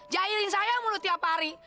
jahirin saya mulu tiap hari